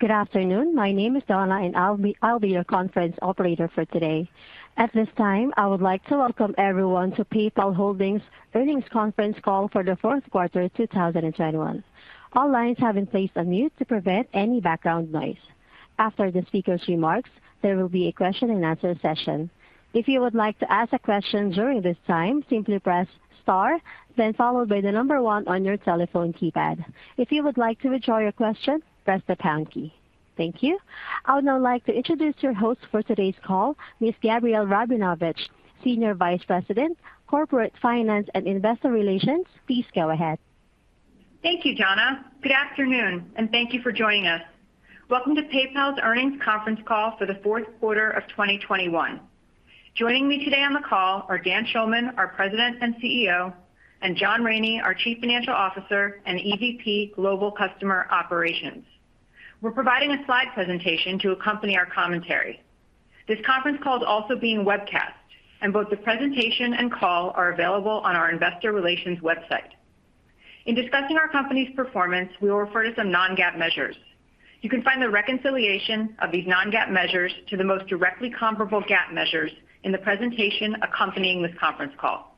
Good afternoon. My name is Donna, and I'll be your conference operator for today. At this time, I would like to welcome everyone to PayPal Holdings earnings conference call for the Q4 2021. All lines have been placed on mute to prevent any background noise. After the speaker's remarks, there will be a question-and-answer session. If you would like to ask a question during this time, simply press star then followed by the number 1 on your telephone keypad. If you would like to withdraw your question, press the pound key. Thank you. I would now like to introduce your host for today's call, Ms. Gabrielle Rabinovitch, Senior Vice President, Corporate Finance and Investor Relations. Please go ahead. Thank you, Donna. Good afternoon, and thank you for joining us. Welcome to PayPal's earnings conference call for the Q4 of 2021. Joining me today on the call are Dan Schulman, our President and CEO, and John Rainey, our Chief Financial Officer and EVP Global Customer Operations. We're providing a slide presentation to accompany our commentary. This conference call is also being webcast, and both the presentation and call are available on our investor relations website. In discussing our company's performance, we will refer to some non-GAAP measures. You can find the reconciliation of these non-GAAP measures to the most directly comparable GAAP measures in the presentation accompanying this conference call.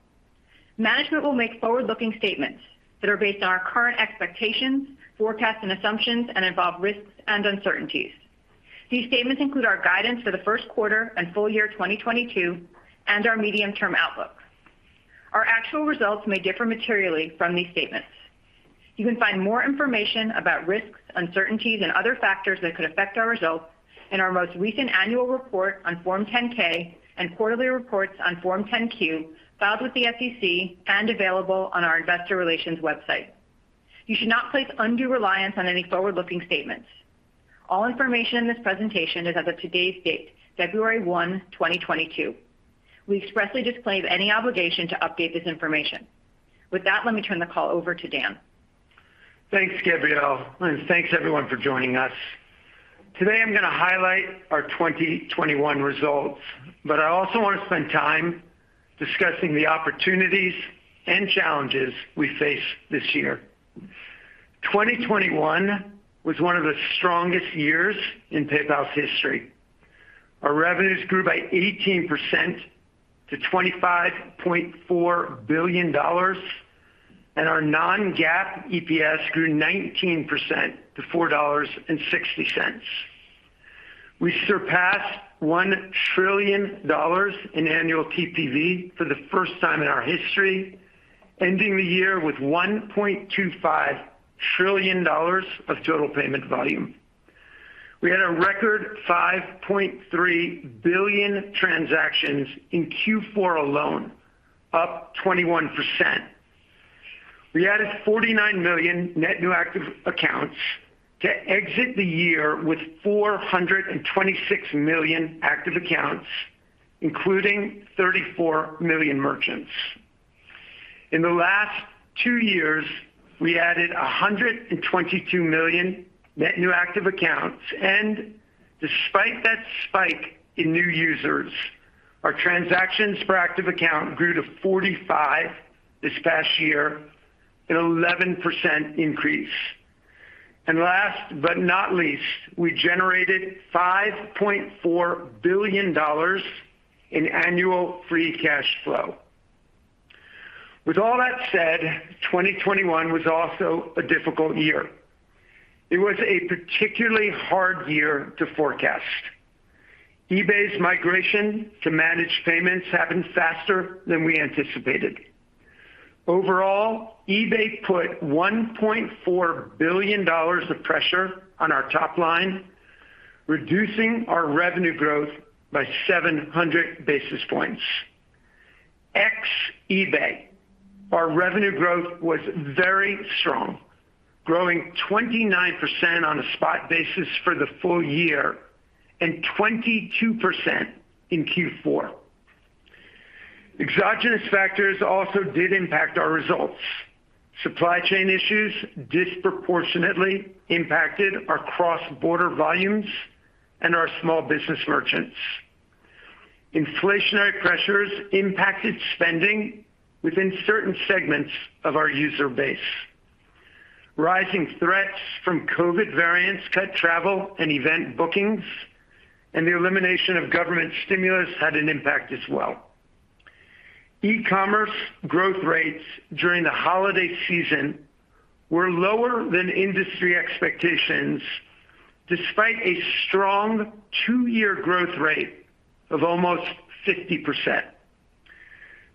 Management will make forward-looking statements that are based on our current expectations, forecasts and assumptions and involve risks and uncertainties. These statements include our guidance for the Q1 and full year 2022 and our medium-term outlook. Our actual results may differ materially from these statements. You can find more information about risks, uncertainties, and other factors that could affect our results in our most recent annual report on Form 10-K and quarterly reports on Form 10-Q filed with the SEC and available on our investor relations website. You should not place undue reliance on any forward-looking statements. All information in this presentation is as of today's date, February 1, 2022. We expressly disclaim any obligation to update this information. With that, let me turn the call over to Dan. Thanks, Gabrielle, and thanks everyone for joining us. Today, I'm gonna highlight our 2021 results, but I also wanna spend time discussing the opportunities and challenges we face this year. 2021 was one of the strongest years in PayPal's history. Our revenues grew by 18% to $25.4 billion, and our non-GAAP EPS grew 19% to $4.60. We surpassed $1 trillion in annual TPV for the first time in our history, ending the year with $1.25 trillion of total payment volume. We had a record 5.3 billion transactions in Q4 alone, up 21%. We added 49 million net new active accounts to exit the year with 426 million active accounts, including 34 million merchants. In the last two years, we added 122 million net new active accounts, and despite that spike in new users, our transactions per active account grew to 45 this past year, an 11% increase. Last but not least, we generated $5.4 billion in annual free cash flow. With all that said, 2021 was also a difficult year. It was a particularly hard year to forecast. eBay's migration to managed payments happened faster than we anticipated. Overall, eBay put $1.4 billion of pressure on our top line, reducing our revenue growth by 700 basis points. Ex eBay, our revenue growth was very strong, growing 29% on a spot basis for the full year and 22% in Q4. Exogenous factors also did impact our results. Supply chain issues disproportionately impacted our cross-border volumes and our small business merchants. Inflationary pressures impacted spending within certain segments of our user base. Rising threats from COVID variants cut travel and event bookings, and the elimination of government stimulus had an impact as well. E-commerce growth rates during the holiday season were lower than industry expectations despite a strong two-year growth rate of almost 50%.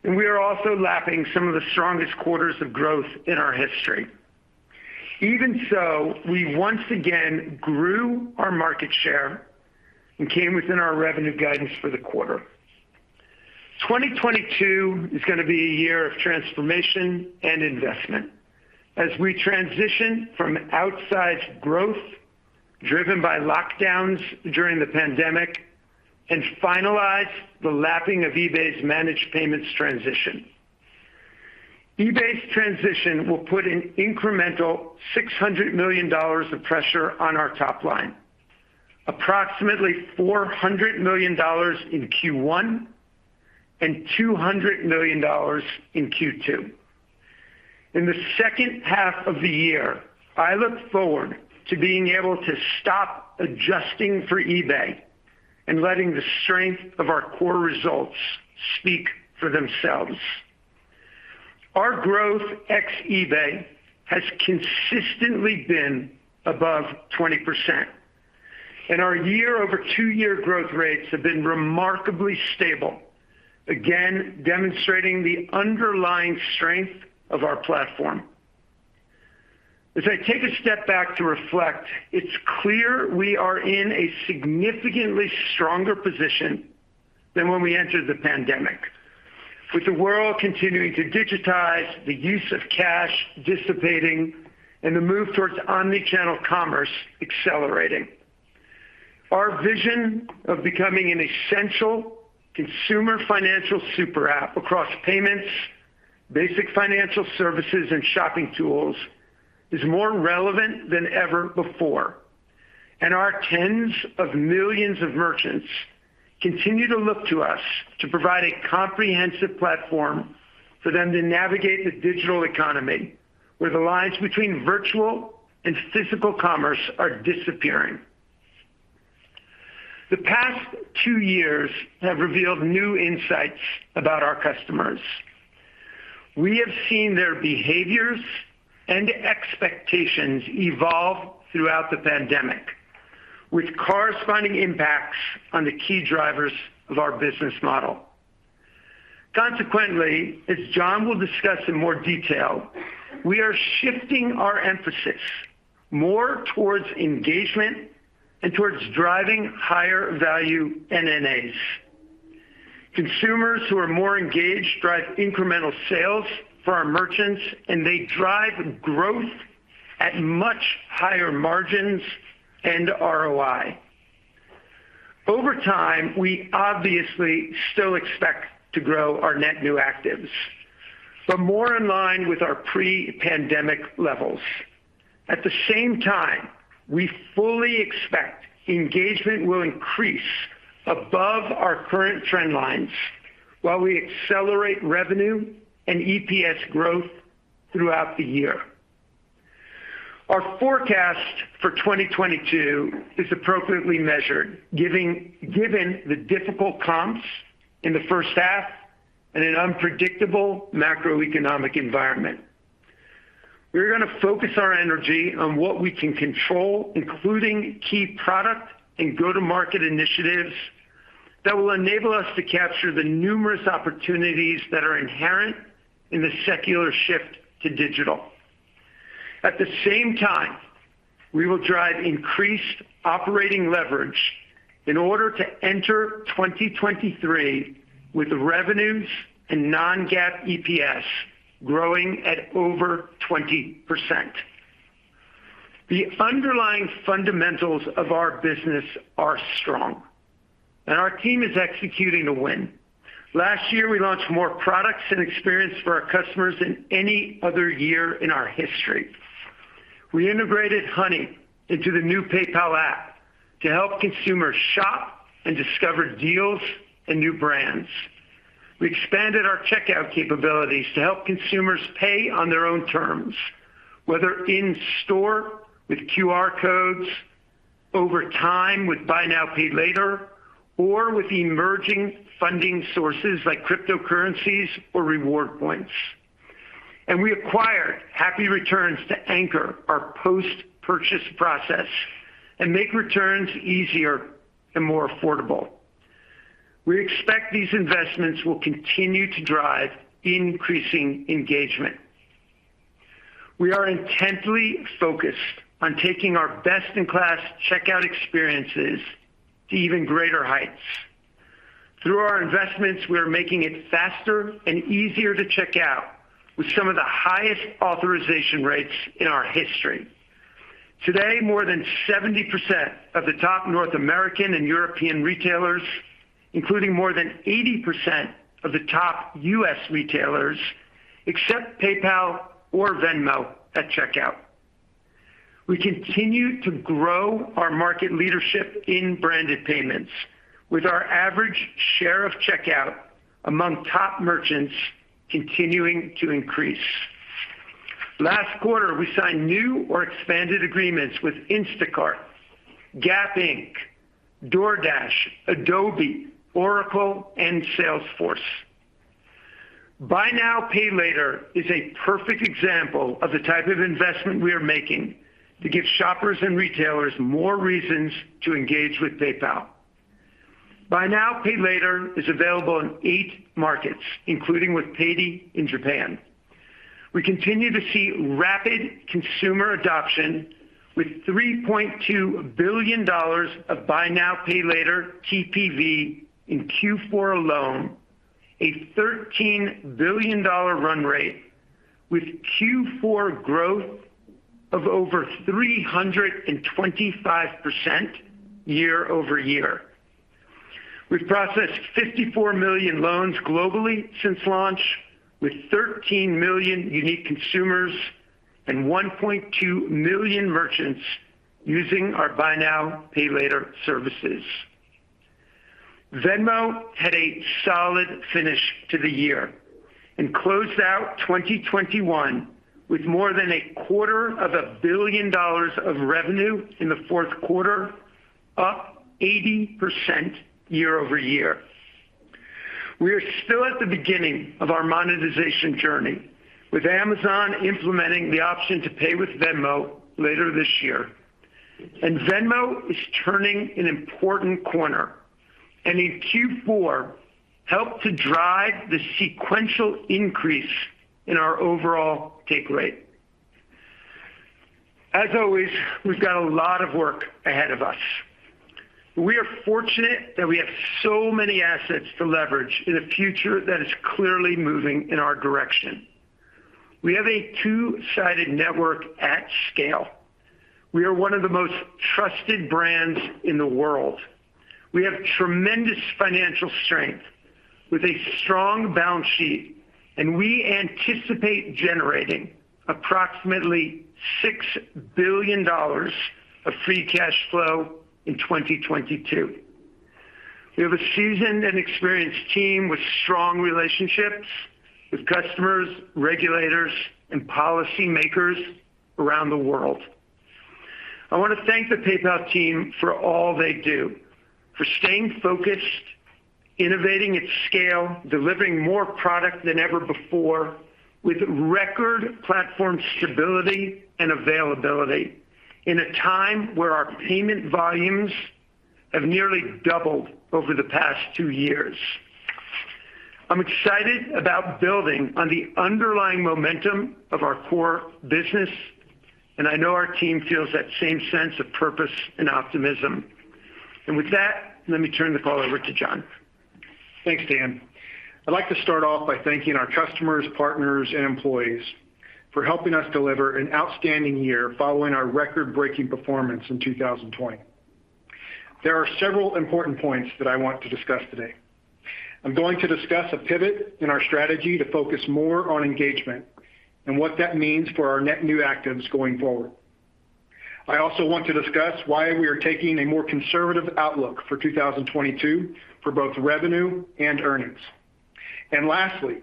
We are also lapping some of the strongest quarters of growth in our history. Even so, we once again grew our market share and came within our revenue guidance for the quarter. 2022 is gonna be a year of transformation and investment as we transition from outsized growth driven by lockdowns during the pandemic and finalize the lapping of eBay's managed payments transition. eBay's transition will put an incremental $600 million of pressure on our top line, approximately $400 million in Q1 and $200 million in Q2. In the second half of the year, I look forward to being able to stop adjusting for eBay and letting the strength of our core results speak for themselves. Our growth ex eBay has consistently been above 20%, and our year-over-two-year growth rates have been remarkably stable, again demonstrating the underlying strength of our platform. As I take a step back to reflect, it's clear we are in a significantly stronger position than when we entered the pandemic, with the world continuing to digitize, the use of cash dissipating, and the move towards omni-channel commerce accelerating. Our vision of becoming an essential consumer financial super app across payments, basic financial services, and shopping tools is more relevant than ever before, and our tens of millions of merchants continue to look to us to provide a comprehensive platform for them to navigate the digital economy where the lines between virtual and physical commerce are disappearing. The past two years have revealed new insights about our customers. We have seen their behaviors and expectations evolve throughout the pandemic, with corresponding impacts on the key drivers of our business model. Consequently, as John will discuss in more detail, we are shifting our emphasis more towards engagement and towards driving higher value NNAs. Consumers who are more engaged drive incremental sales for our merchants, and they drive growth at much higher margins and ROI. Over time, we obviously still expect to grow our net new actives, but more in line with our pre-pandemic levels. At the same time, we fully expect engagement will increase above our current trend lines while we accelerate revenue and EPS growth throughout the year. Our forecast for 2022 is appropriately measured, given the difficult comps in the first half and an unpredictable macroeconomic environment. We're gonna focus our energy on what we can control, including key product and go-to-market initiatives that will enable us to capture the numerous opportunities that are inherent in the secular shift to digital. At the same time, we will drive increased operating leverage in order to enter 2023 with revenues and non-GAAP EPS growing at over 20%. The underlying fundamentals of our business are strong, and our team is executing to win. Last year, we launched more products and experience for our customers than any other year in our history. We integrated Honey into the new PayPal app to help consumers shop and discover deals and new brands. We expanded our checkout capabilities to help consumers pay on their own terms, whether in store with QR codes, over time with buy now, pay later, or with emerging funding sources like cryptocurrencies or reward points. We acquired Happy Returns to anchor our post-purchase process and make returns easier and more affordable. We expect these investments will continue to drive increasing engagement. We are intently focused on taking our best-in-class checkout experiences to even greater heights. Through our investments, we are making it faster and easier to check out with some of the highest authorization rates in our history. Today, more than 70% of the top North American and European retailers, including more than 80% of the top U.S. retailers, accept PayPal or Venmo at checkout. We continue to grow our market leadership in branded payments, with our average share of checkout among top merchants continuing to increase. Last quarter, we signed new or expanded agreements with Instacart, Gap Inc., DoorDash, Adobe, Oracle, and Salesforce. Buy now, pay later is a perfect example of the type of investment we are making to give shoppers and retailers more reasons to engage with PayPal. Buy now, pay later is available in 8 markets, including with Paidy in Japan. We continue to see rapid consumer adoption with $3.2 billion of buy now, pay later TPV in Q4 alone, a $13 billion run rate with Q4 growth of over 325% year-over-year. We've processed 54 million loans globally since launch, with 13 million unique consumers and 1.2 million merchants using our buy now, pay later services. Venmo had a solid finish to the year and closed out 2021 with more than a quarter of a billion dollars of revenue in the Q4, up 80% year-over-year. We are still at the beginning of our monetization journey, with Amazon implementing the option to pay with Venmo later this year. Venmo is turning an important corner, and in Q4 helped to drive the sequential increase in our overall take rate. As always, we've got a lot of work ahead of us. We are fortunate that we have so many assets to leverage in a future that is clearly moving in our direction. We have a two-sided network at scale. We are one of the most trusted brands in the world. We have tremendous financial strength with a strong balance sheet, and we anticipate generating approximately $6 billion of free cash flow in 2022. We have a seasoned and experienced team with strong relationships with customers, regulators, and policymakers around the world. I want to thank the PayPal team for all they do, for staying focused, innovating at scale, delivering more product than ever before with record platform stability and availability in a time where our payment volumes have nearly doubled over the past two years. I'm excited about building on the underlying momentum of our core business, and I know our team feels that same sense of purpose and optimism. With that, let me turn the call over to John. Thanks, Dan. I'd like to start off by thanking our customers, partners, and employees for helping us deliver an outstanding year following our record-breaking performance in 2020. There are several important points that I want to discuss today. I'm going to discuss a pivot in our strategy to focus more on engagement and what that means for our net new actives going forward. I also want to discuss why we are taking a more conservative outlook for 2022 for both revenue and earnings. Lastly,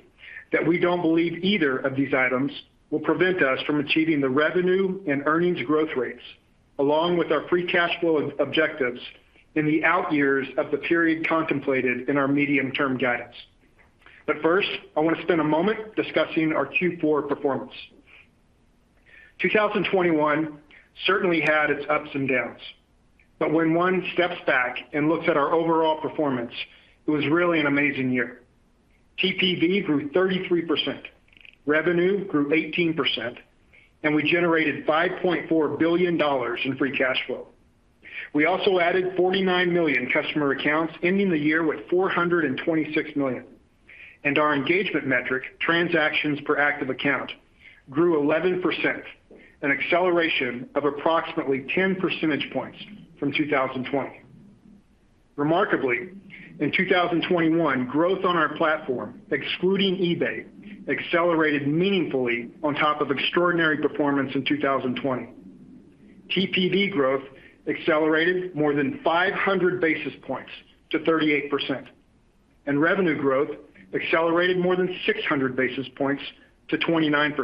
that we don't believe either of these items will prevent us from achieving the revenue and earnings growth rates, along with our free cash flow objectives in the out years of the period contemplated in our medium-term guidance. First, I want to spend a moment discussing our Q4 performance. 2021 certainly had its ups and downs, but when one steps back and looks at our overall performance, it was really an amazing year. TPV grew 33%, revenue grew 18%, and we generated $5.4 billion in free cash flow. We also added 49 million customer accounts, ending the year with 426 million. Our engagement metric, transactions per active account, grew 11%, an acceleration of approximately 10 percentage points from 2020. Remarkably, in 2021, growth on our platform, excluding eBay, accelerated meaningfully on top of extraordinary performance in 2020. TPV growth accelerated more than 500 basis points to 38%, and revenue growth accelerated more than 600 basis points to 29%.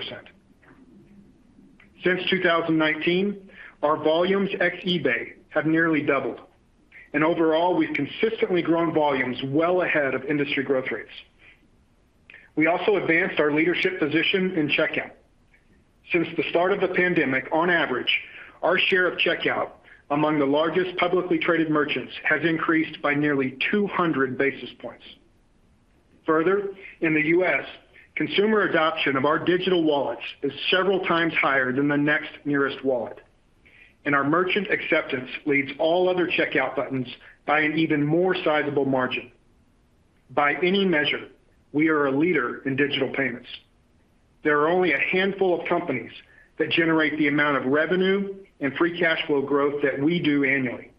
Since 2019, our volumes ex eBay have nearly doubled, and overall, we've consistently grown volumes well ahead of industry growth rates. We also advanced our leadership position in checkout. Since the start of the pandemic, on average, our share of checkout among the largest publicly traded merchants has increased by nearly 200 basis points. Further, in the U.S., consumer adoption of our digital wallets is several times higher than the next nearest wallet, and our merchant acceptance leads all other checkout buttons by an even more sizable margin. By any measure, we are a leader in digital payments. There are only a handful of companies that generate the amount of revenue and free cash flow growth that we do annually,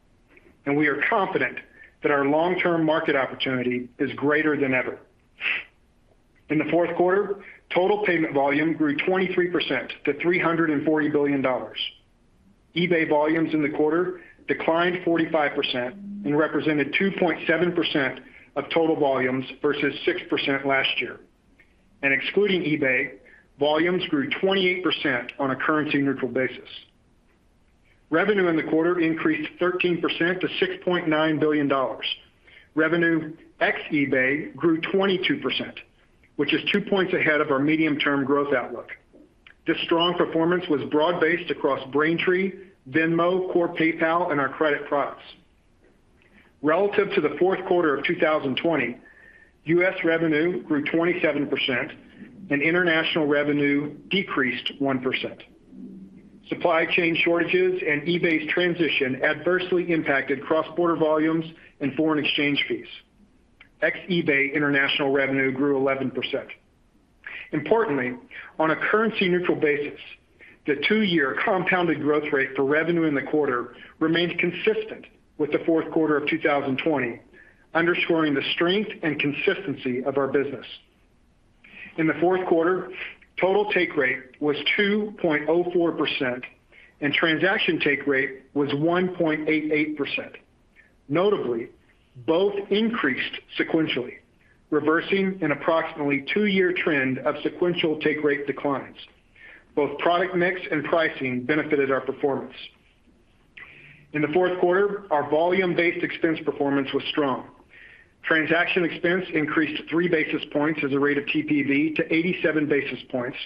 and we are confident that our long-term market opportunity is greater than ever. In the Q4, total payment volume grew 23% to $340 billion. eBay volumes in the quarter declined 45% and represented 2.7% of total volumes versus 6% last year. Excluding eBay, volumes grew 28% on a currency neutral basis. Revenue in the quarter increased 13% to $6.9 billion. Revenue ex eBay grew 22%, which is 2 points ahead of our medium-term growth outlook. This strong performance was broad-based across Braintree, Venmo, core PayPal, and our credit products. Relative to the Q4 of 2020, U.S. revenue grew 27% and international revenue decreased 1%. Supply chain shortages and eBay's transition adversely impacted cross-border volumes and foreign exchange fees. Ex eBay international revenue grew 11%. Importantly, on a currency neutral basis, the two-year compounded growth rate for revenue in the quarter remained consistent with the Q4 of 2020, underscoring the strength and consistency of our business. In the Q4, total take rate was 2.04% and transaction take rate was 1.88%. Notably, both increased sequentially, reversing an approximately two-year trend of sequential take rate declines. Both product mix and pricing benefited our performance. In the Q4, our volume-based expense performance was strong. Transaction expense increased 3 basis points as a rate of TPV to 87 basis points,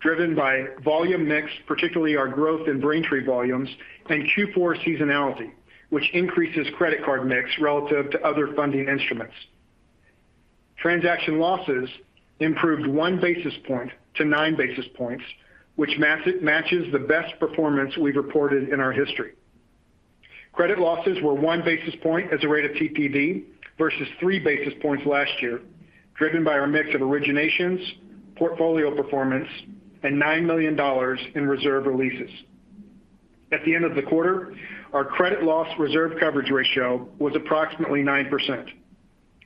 driven by volume mix, particularly our growth in Braintree volumes, and Q4 seasonality, which increases credit card mix relative to other funding instruments. Transaction losses improved 1 basis point to 9 basis points, which matches the best performance we've reported in our history. Credit losses were 1 basis point as a rate of TPV versus 3 basis points last year, driven by our mix of originations, portfolio performance, and $9 million in reserve releases. At the end of the quarter, our credit loss reserve coverage ratio was approximately 9%.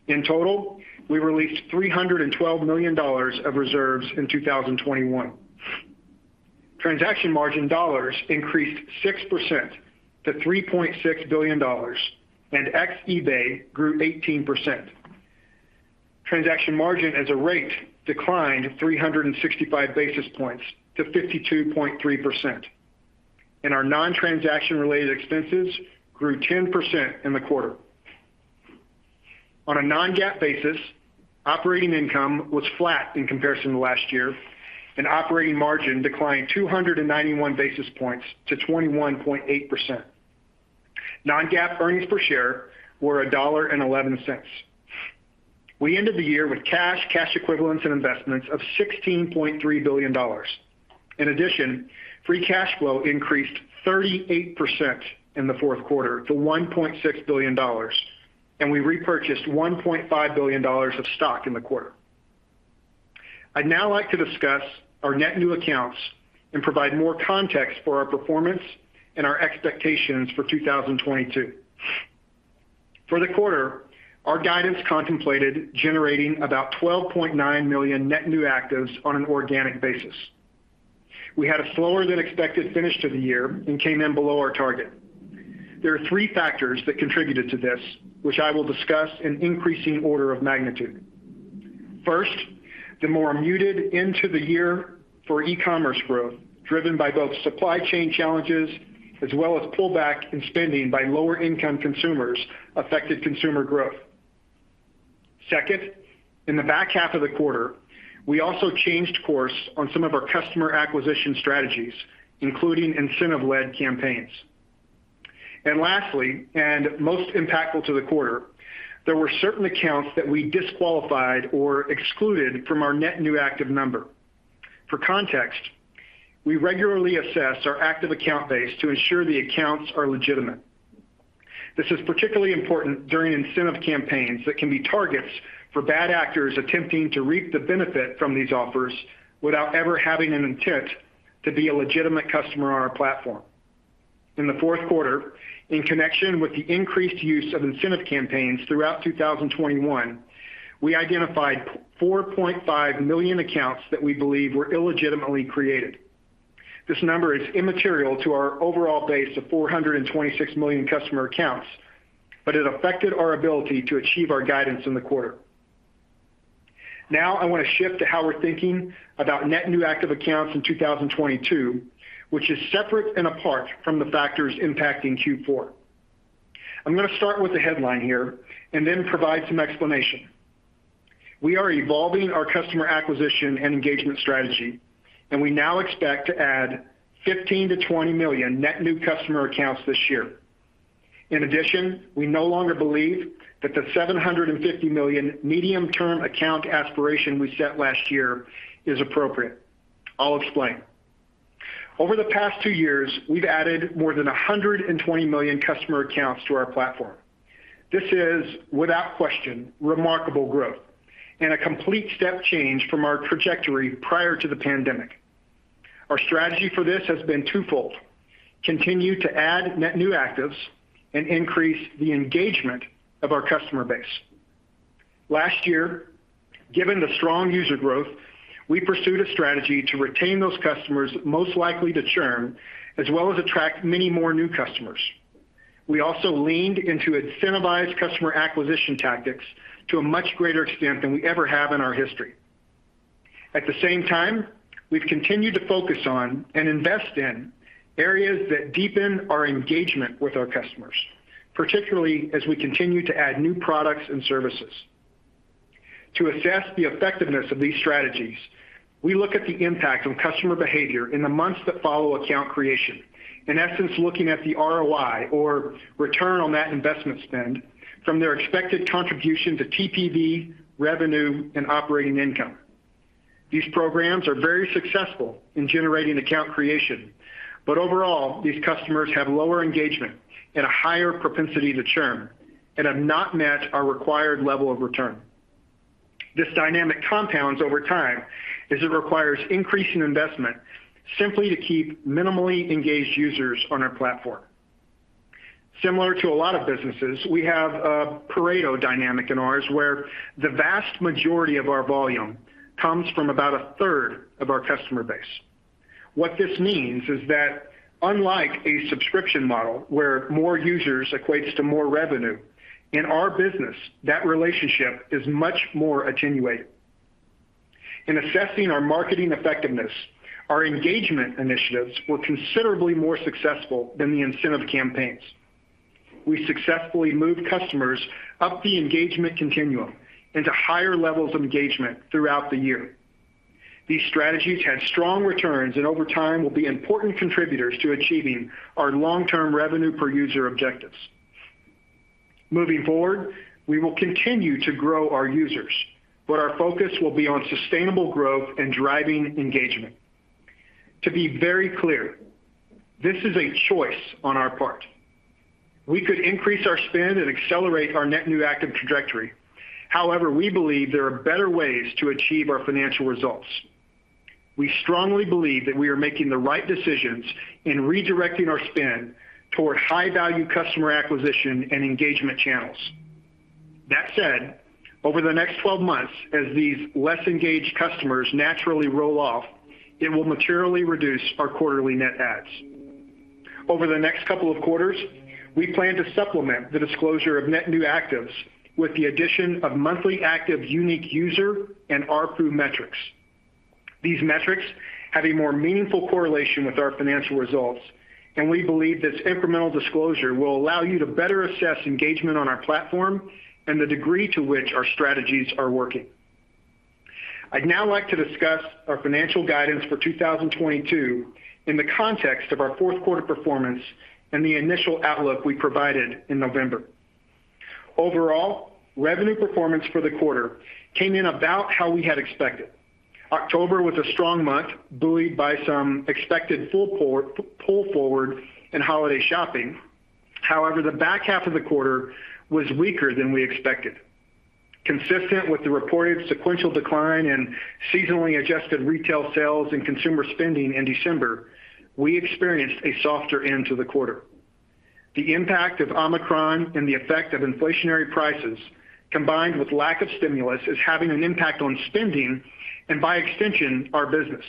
In total, we released $312 million of reserves in 2021. Transaction margin dollars increased 6% to $3.6 billion, and ex-eBay grew 18%. Transaction margin as a rate declined 365 basis points to 52.3%. Our non-transaction related expenses grew 10% in the quarter. On a non-GAAP basis, operating income was flat in comparison to last year, and operating margin declined 291 basis points to 21.8%. Non-GAAP earnings per share were $1.11. We ended the year with cash equivalents, and investments of $16.3 billion. In addition, free cash flow increased 38% in the Q4 to $1.6 billion, and we repurchased $1.5 billion of stock in the quarter. I'd now like to discuss our net new accounts and provide more context for our performance and our expectations for 2022. For the quarter, our guidance contemplated generating about 12.9 million net new actives on an organic basis. We had a slower than expected finish to the year and came in below our target. There are three factors that contributed to this, which I will discuss in increasing order of magnitude. First, the more muted growth into the year for e-commerce growth, driven by both supply chain challenges as well as pullback in spending by lower-income consumers affected consumer growth. Second, in the back half of the quarter, we also changed course on some of our customer acquisition strategies, including incentive-led campaigns. Lastly, and most impactful to the quarter, there were certain accounts that we disqualified or excluded from our net new active number. For context, we regularly assess our active account base to ensure the accounts are legitimate. This is particularly important during incentive campaigns that can be targets for bad actors attempting to reap the benefit from these offers without ever having an intent to be a legitimate customer on our platform. In the Q4, in connection with the increased use of incentive campaigns throughout 2021, we identified 4.5 million accounts that we believe were illegitimately created. This number is immaterial to our overall base of 426 million customer accounts, but it affected our ability to achieve our guidance in the quarter. Now I want to shift to how we're thinking about net new active accounts in 2022, which is separate and apart from the factors impacting Q4. I'm going to start with the headline here and then provide some explanation. We are evolving our customer acquisition and engagement strategy, and we now expect to add 15-20 million net new customer accounts this year. In addition, we no longer believe that the 750 million medium-term account aspiration we set last year is appropriate. I'll explain. Over the past two years, we've added more than 120 million customer accounts to our platform. This is, without question, remarkable growth and a complete step change from our trajectory prior to the pandemic. Our strategy for this has been twofold, continue to add net new actives and increase the engagement of our customer base. Last year, given the strong user growth, we pursued a strategy to retain those customers most likely to churn, as well as attract many more new customers. We also leaned into incentivized customer acquisition tactics to a much greater extent than we ever have in our history. At the same time, we've continued to focus on and invest in areas that deepen our engagement with our customers, particularly as we continue to add new products and services. To assess the effectiveness of these strategies, we look at the impact on customer behavior in the months that follow account creation. In essence, looking at the ROI or return on that investment spend from their expected contribution to TPV, revenue, and operating income. These programs are very successful in generating account creation, but overall, these customers have lower engagement and a higher propensity to churn and have not met our required level of return. This dynamic compounds over time as it requires increasing investment simply to keep minimally engaged users on our platform. Similar to a lot of businesses, we have a Pareto dynamic in ours where the vast majority of our volume comes from about a third of our customer base. What this means is that unlike a subscription model where more users equates to more revenue, in our business, that relationship is much more attenuated. In assessing our marketing effectiveness, our engagement initiatives were considerably more successful than the incentive campaigns. We successfully moved customers up the engagement continuum into higher levels of engagement throughout the year. These strategies had strong returns and over time will be important contributors to achieving our long-term revenue per user objectives. Moving forward, we will continue to grow our users, but our focus will be on sustainable growth and driving engagement. To be very clear, this is a choice on our part. We could increase our spend and accelerate our net new active trajectory. However, we believe there are better ways to achieve our financial results. We strongly believe that we are making the right decisions in redirecting our spend toward high-value customer acquisition and engagement channels. That said, over the next 12 months, as these less engaged customers naturally roll off, it will materially reduce our quarterly net adds. Over the next couple of quarters, we plan to supplement the disclosure of net new actives with the addition of monthly active unique user and ARPU metrics. These metrics have a more meaningful correlation with our financial results, and we believe this incremental disclosure will allow you to better assess engagement on our platform and the degree to which our strategies are working. I'd now like to discuss our financial guidance for 2022 in the context of our Q4 performance and the initial outlook we provided in November. Overall, revenue performance for the quarter came in about how we had expected. October was a strong month, buoyed by some expected pull forward in holiday shopping. However, the back half of the quarter was weaker than we expected. Consistent with the reported sequential decline in seasonally adjusted retail sales and consumer spending in December, we experienced a softer end to the quarter. The impact of Omicron and the effect of inflationary prices, combined with lack of stimulus, is having an impact on spending, and by extension, our business.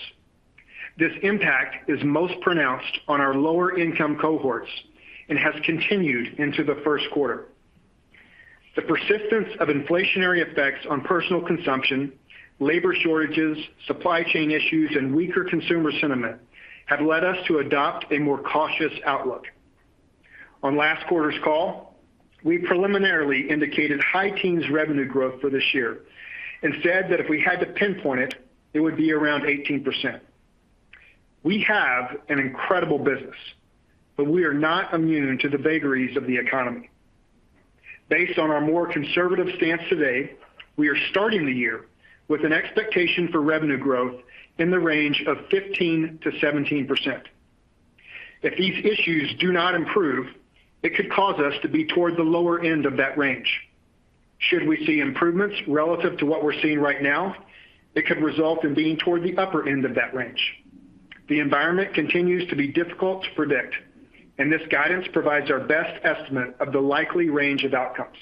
This impact is most pronounced on our lower-income cohorts and has continued into the Q4. The persistence of inflationary effects on personal consumption, labor shortages, supply chain issues, and weaker consumer sentiment have led us to adopt a more cautious outlook. On last quarter's call, we preliminarily indicated high teens revenue growth for this year and said that if we had to pinpoint it would be around 18%. We have an incredible business, but we are not immune to the vagaries of the economy. Based on our more conservative stance today, we are starting the year with an expectation for revenue growth in the range of 15%-17%. If these issues do not improve, it could cause us to be toward the lower end of that range. Should we see improvements relative to what we're seeing right now, it could result in being toward the upper end of that range. The environment continues to be difficult to predict, and this guidance provides our best estimate of the likely range of outcomes.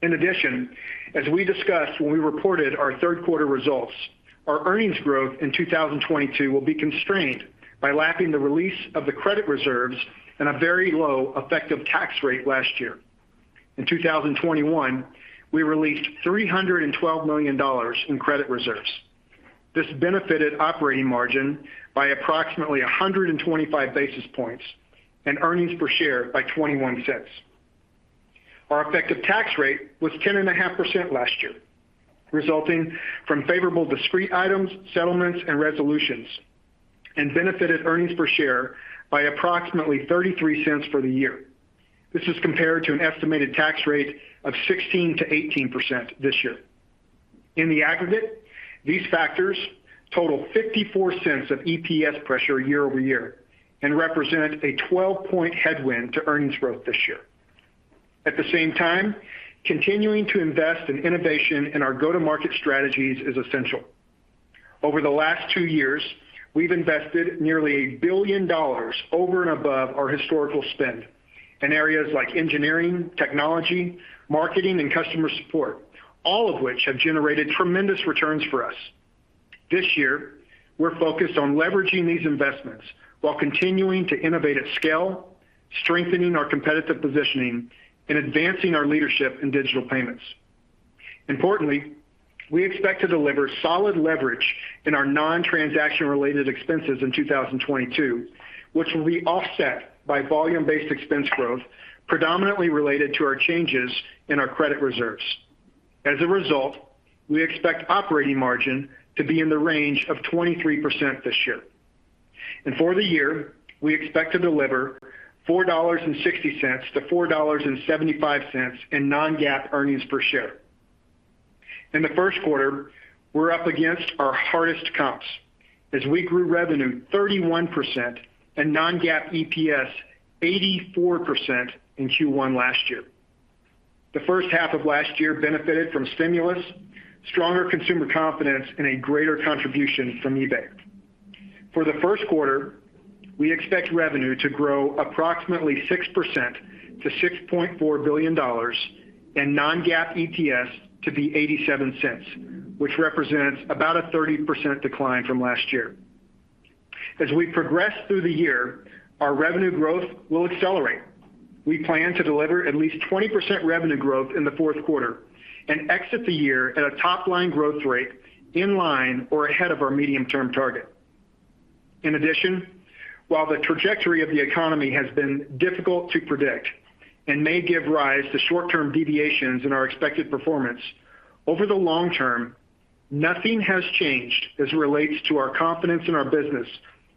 In addition, as we discussed when we reported our Q3 results, our earnings growth in 2022 will be constrained by lapping the release of the credit reserves and a very low effective tax rate last year. In 2021, we released $312 million in credit reserves. This benefited operating margin by approximately 125 basis points and earnings per share by $0.21. Our effective tax rate was 10.5% last year, resulting from favorable discrete items, settlements, and resolutions, and benefited earnings per share by approximately $0.33 for the year. This is compared to an estimated tax rate of 16%-18% this year. In the aggregate, these factors total $0.54 of EPS pressure year-over-year and represent a 12-point headwind to earnings growth this year. At the same time, continuing to invest in innovation in our go-to-market strategies is essential. Over the last two years, we've invested nearly $1 billion over and above our historical spend in areas like engineering, technology, marketing, and customer support, all of which have generated tremendous returns for us. This year, we're focused on leveraging these investments while continuing to innovate at scale, strengthening our competitive positioning, and advancing our leadership in digital payments. Importantly, we expect to deliver solid leverage in our non-transaction related expenses in 2022, which will be offset by volume-based expense growth predominantly related to our changes in our credit reserves. As a result, we expect operating margin to be in the range of 23% this year. For the year, we expect to deliver $4.60-$4.75 in non-GAAP earnings per share. In the Q1, we're up against our hardest comps as we grew revenue 31% and non-GAAP EPS 84% in Q1 last year. The first half of last year benefited from stimulus, stronger consumer confidence, and a greater contribution from eBay. For the Q1, we expect revenue to grow approximately 6% to $6.4 billion and non-GAAP EPS to be $0.87, which represents about a 30% decline from last year. As we progress through the year, our revenue growth will accelerate. We plan to deliver at least 20% revenue growth in the Q4 and exit the year at a top line growth rate in line or ahead of our medium-term target. In addition, while the trajectory of the economy has been difficult to predict and may give rise to short-term deviations in our expected performance, over the long term, nothing has changed as it relates to our confidence in our business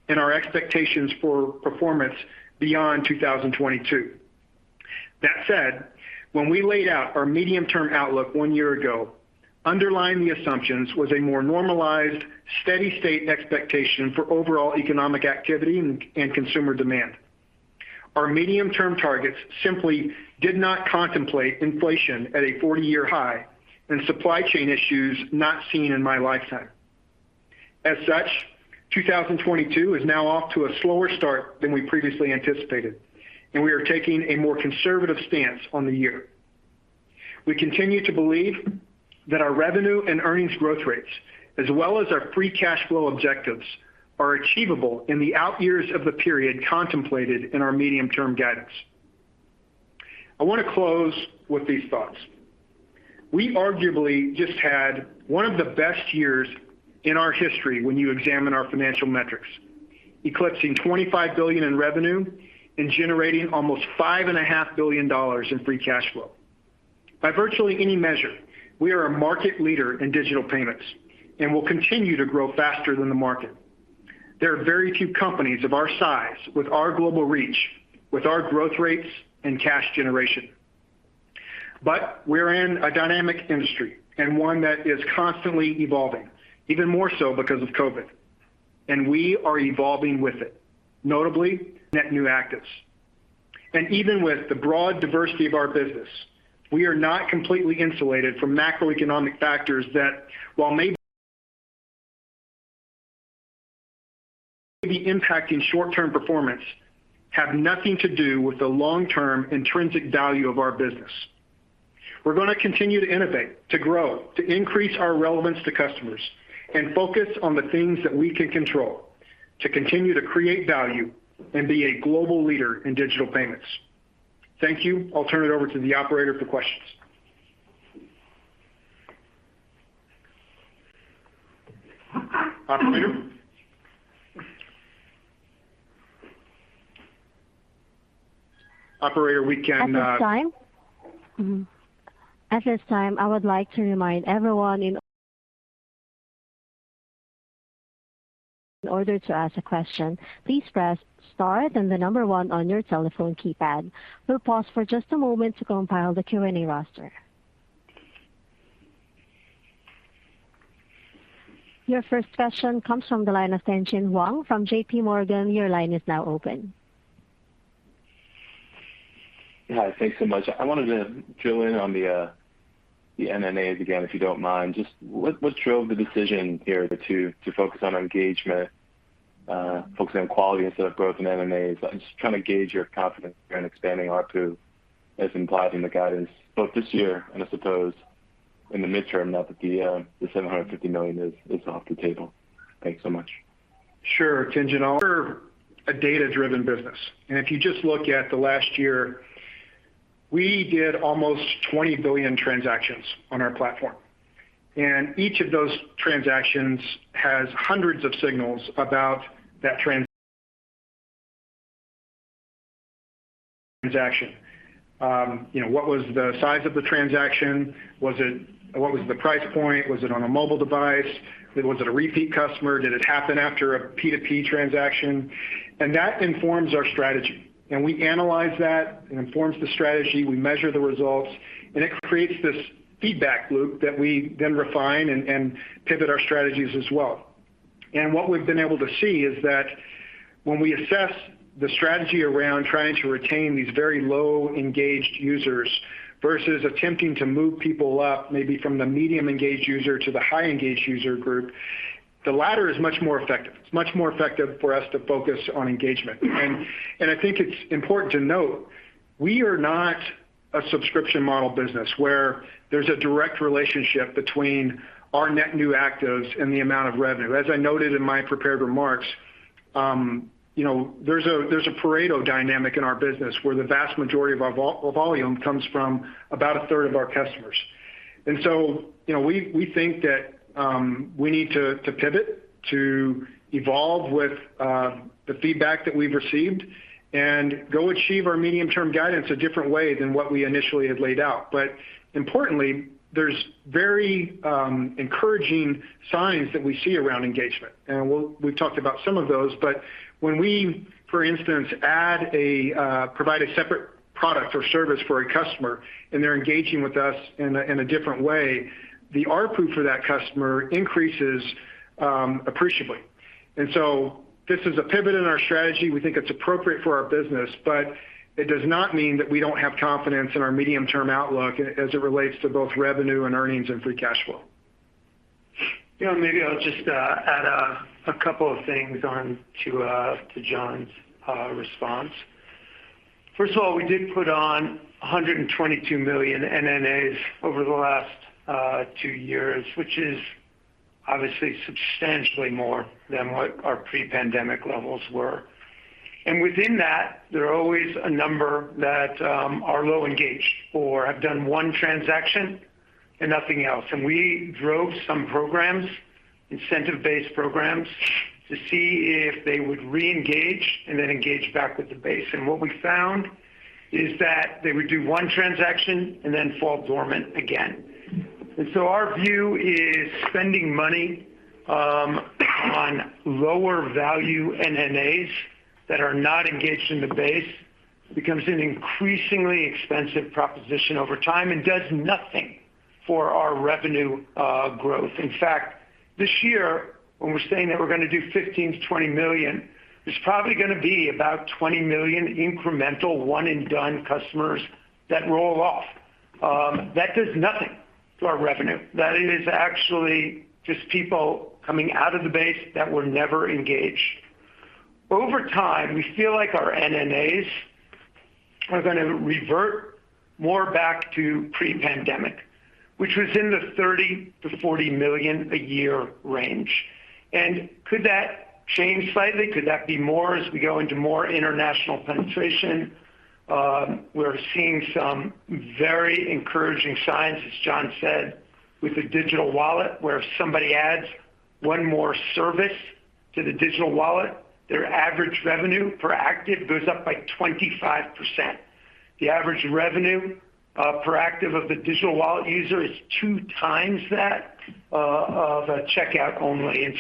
and our expectations for performance beyond 2022. That said, when we laid out our medium-term outlook one year ago, underlying the assumptions was a more normalized, steady-state expectation for overall economic activity and consumer demand. Our medium-term targets simply did not contemplate inflation at a 40-year high and supply chain issues not seen in my lifetime. As such, 2022 is now off to a slower start than we previously anticipated, and we are taking a more conservative stance on the year. We continue to believe that our revenue and earnings growth rates, as well as our free cash flow objectives, are achievable in the out years of the period contemplated in our medium-term guidance. I wanna close with these thoughts. We arguably just had one of the best years in our history when you examine our financial metrics, eclipsing $25 billion in revenue and generating almost $5.5 billion in free cash flow. By virtually any measure, we are a market leader in digital payments and will continue to grow faster than the market. There are very few companies of our size with our global reach, with our growth rates and cash generation. We're in a dynamic industry and one that is constantly evolving, even more so because of COVID, and we are evolving with it, notably net new actives. Even with the broad diversity of our business, we are not completely insulated from macroeconomic factors that, while may be impacting short-term performance, have nothing to do with the long-term intrinsic value of our business. We're gonna continue to innovate, to grow, to increase our relevance to customers, and focus on the things that we can control to continue to create value and be a global leader in digital payments. Thank you. I'll turn it over to the operator for questions. Operator? Operator, we can. At this time, I would like to remind everyone in order to ask a question, please press star then the number one on your telephone keypad. We'll pause for just a moment to compile the Q&A roster. Your first question comes from the line of Tien-Tsin Huang from JPMorgan. Your line is now open. Hi. Thanks so much. I wanted to drill in on the NNAs again, if you don't mind. Just what drove the decision here to focus on engagement, focusing on quality instead of growth in NNAs? I'm just trying to gauge your confidence here in expanding ARPU as implied in the guidance both this year, and I suppose in the midterm now that the 750 million is off the table. Thanks so much. Sure, Tien-Tsin. We're a data-driven business. If you just look at the last year, we did almost 20 billion transactions on our platform, and each of those transactions has hundreds of signals about that transaction. You know, what was the size of the transaction? What was the price point? Was it on a mobile device? Was it a repeat customer? Did it happen after a P2P transaction? That informs our strategy, and we analyze that. It informs the strategy. We measure the results, and it creates this feedback loop that we then refine and pivot our strategies as well. What we've been able to see is that when we assess the strategy around trying to retain these very low engaged users versus attempting to move people up, maybe from the medium engaged user to the high engaged user group, the latter is much more effective. It's much more effective for us to focus on engagement. I think it's important to note, we are not a subscription model business where there's a direct relationship between our net new actives and the amount of revenue. As I noted in my prepared remarks, you know, there's a Pareto dynamic in our business where the vast majority of our volume comes from about a third of our customers. You know, we think that we need to pivot, to evolve with the feedback that we've received and go achieve our medium-term guidance a different way than what we initially had laid out. Importantly, there's very encouraging signs that we see around engagement, and we've talked about some of those. When we, for instance, provide a separate product or service for a customer, and they're engaging with us in a different way, the ARPU for that customer increases appreciably. This is a pivot in our strategy. We think it's appropriate for our business, but it does not mean that we don't have confidence in our medium-term outlook as it relates to both revenue and earnings and free cash flow. You know, maybe I'll just add a couple of things on to John's response. First of all, we did put on 122 million NNAs over the last two years, which is obviously substantially more than what our pre-pandemic levels were. Within that, there are always a number that are low engaged or have done one transaction and nothing else. We drove some programs, incentive-based programs, to see if they would reengage and then engage back with the base. What we found is that they would do one transaction and then fall dormant again. Our view is spending money on lower value NNAs that are not engaged in the base becomes an increasingly expensive proposition over time and does nothing for our revenue growth. In fact, this year, when we're saying that we're gonna do 15-20 million, there's probably gonna be about 20 million incremental one and done customers that roll off. That does nothing to our revenue. That is actually just people coming out of the base that were never engaged. Over time, we feel like our NNAs are gonna revert more back to pre-pandemic, which was in the 30-40 million a year range. Could that change slightly? Could that be more as we go into more international penetration? We're seeing some very encouraging signs, as John said, with the digital wallet, where if somebody adds one more service to the digital wallet, their average revenue per active goes up by 25%. The average revenue per active of the digital wallet user is 2 times that of a checkout only.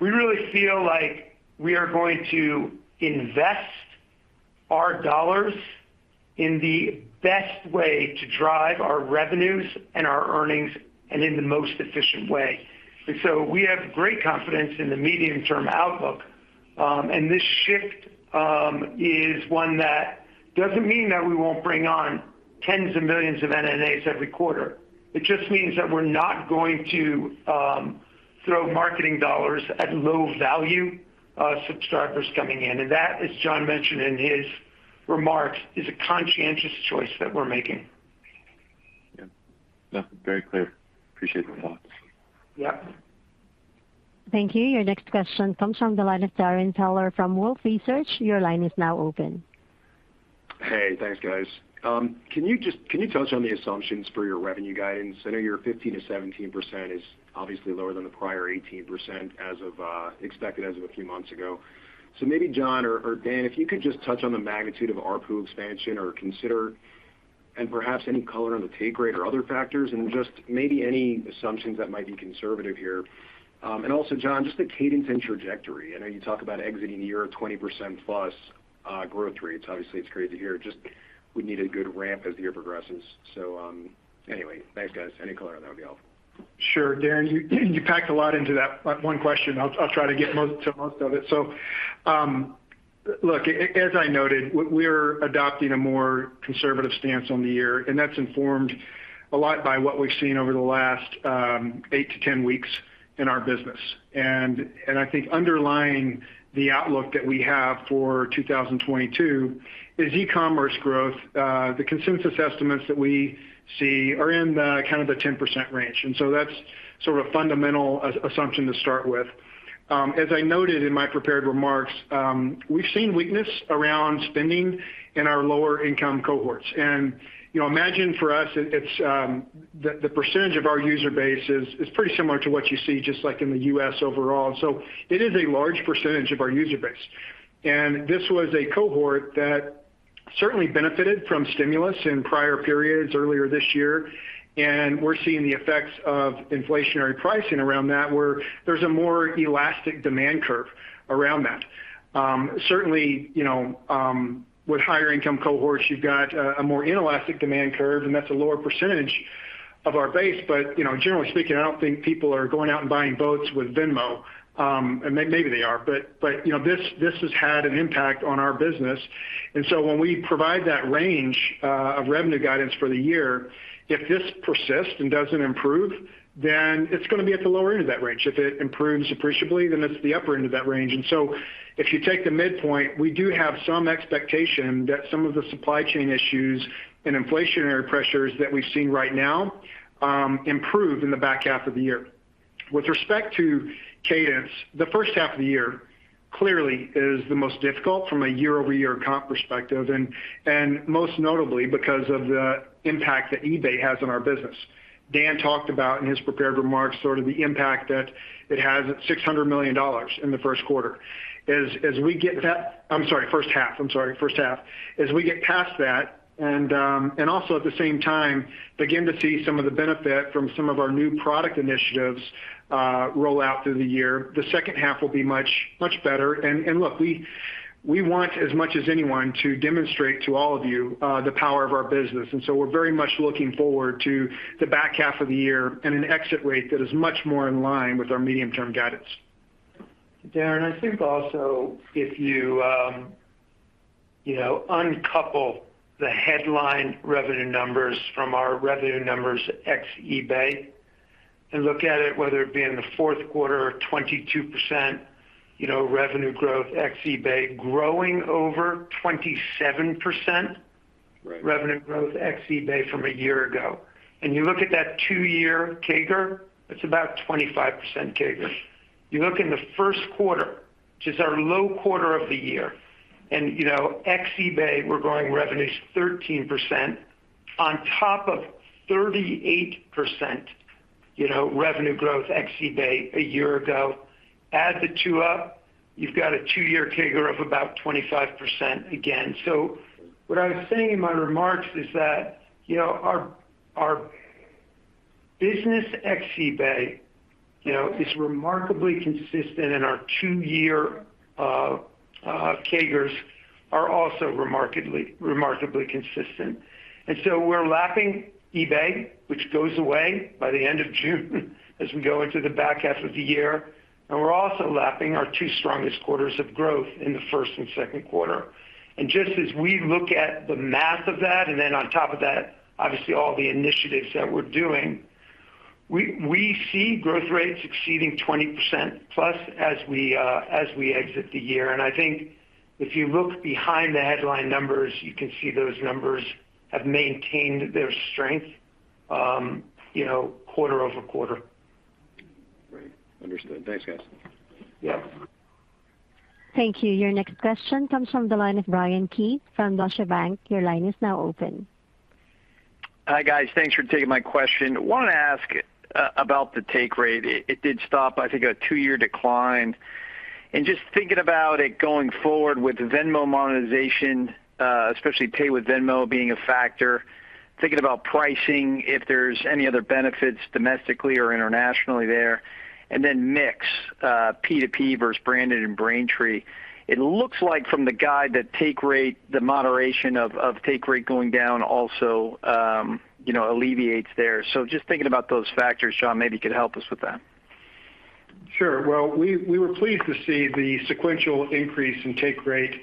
We really feel like we are going to invest our dollars in the best way to drive our revenues and our earnings and in the most efficient way. We have great confidence in the medium-term outlook. This shift is one that doesn't mean that we won't bring on tens of millions of NNAs every quarter. It just means that we're not going to throw marketing dollars at low value subscribers coming in. That, as John mentioned in his remarks, is a conscientious choice that we're making. Yeah. No, very clear. Appreciate the thoughts. Yeah. Thank you. Your next question comes from the line of Darrin Peller from Wolfe Research. Your line is now open. Hey. Thanks, guys. Can you just touch on the assumptions for your revenue guidance? I know your 15%-17% is obviously lower than the prior 18% as was expected as of a few months ago. Maybe John or Dan, if you could just touch on the magnitude of ARPU expansion we're considering and perhaps any color on the take rate or other factors, and just maybe any assumptions that might be conservative here. Also John, just the cadence and trajectory. I know you talk about exiting the year at 20%+ growth rates. Obviously, it's great to hear. Just we need a good ramp as the year progresses. Anyway. Thanks, guys. Any color on that would be helpful. Sure. Darrin Peller, you packed a lot into that one question. I'll try to get to most of it. Look, as I noted, we're adopting a more conservative stance on the year, and that's informed a lot by what we've seen over the last 8-10 weeks in our business. I think underlying the outlook that we have for 2022 is e-commerce growth. The consensus estimates that we see are in the kind of the 10% range, and so that's sort of fundamental assumption to start with. As I noted in my prepared remarks, we've seen weakness around spending in our lower income cohorts. You know, imagine for us it's the percentage of our user base is pretty similar to what you see just like in the U.S. overall. It is a large percentage of our user base. This was a cohort that certainly benefited from stimulus in prior periods earlier this year. We're seeing the effects of inflationary pricing around that, where there's a more elastic demand curve around that. Certainly, you know, with higher income cohorts, you've got a more inelastic demand curve, and that's a lower percentage of our base. But you know, generally speaking, I don't think people are going out and buying boats with Venmo, maybe they are, but you know, this has had an impact on our business. When we provide that range of revenue guidance for the year, if this persists and doesn't improve, then it's gonna be at the lower end of that range. If it improves appreciably, then it's the upper end of that range. If you take the midpoint, we do have some expectation that some of the supply chain issues and inflationary pressures that we've seen right now improve in the back half of the year. With respect to cadence, the first half of the year clearly is the most difficult from a year-over-year comp perspective, and most notably because of the impact that eBay has on our business. Dan talked about in his prepared remarks sort of the impact that it has at $600 million in the first half. As we get past that and also at the same time begin to see some of the benefit from some of our new product initiatives roll out through the year, the second half will be much better. Look, we want as much as anyone to demonstrate to all of you the power of our business. We're very much looking forward to the back half of the year and an exit rate that is much more in line with our medium-term guidance. Darrin, I think also if you know, uncouple the headline revenue numbers from our revenue numbers ex-eBay and look at it, whether it be in the Q4 or 22%, you know, revenue growth ex-eBay growing over 27%. Right. Revenue growth ex-eBay from a year ago. You look at that two-year CAGR, it's about 25% CAGR. You look in the Q1, which is our low quarter of the year, and, you know, ex-eBay, we're growing revenues 13% on top of 38%, you know, revenue growth ex-eBay a year ago. Add the two up, you've got a two-year CAGR of about 25% again. What I was saying in my remarks is that, you know, our business ex-eBay, you know, is remarkably consistent, and our two-year CAGRs are also remarkably consistent. We're lapping eBay, which goes away by the end of June as we go into the back half of the year. We're also lapping our two strongest quarters of growth in the first and Q2. Just as we look at the math of that, and then on top of that, obviously all the initiatives that we're doing, we see growth rates exceeding 20%+ as we exit the year. I think if you look behind the headline numbers, you can see those numbers have maintained their strength, you know, quarter-over-quarter. Great. Understood. Thanks, guys. Yeah. Thank you. Your next question comes from the line of Bryan Keane from Deutsche Bank. Your line is now open. Hi, guys. Thanks for taking my question. Wanted to ask about the take rate. It did stop, I think, a two-year decline. Just thinking about it going forward with Venmo monetization, especially pay with Venmo being a factor, thinking about pricing, if there's any other benefits domestically or internationally there. Then mix, P2P versus branded and Braintree. It looks like from the guide that take rate, the moderation of take rate going down also, you know, alleviates there. Just thinking about those factors, John, maybe you could help us with that. Sure. Well, we were pleased to see the sequential increase in take rate